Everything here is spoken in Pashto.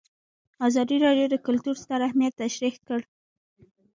ازادي راډیو د کلتور ستر اهميت تشریح کړی.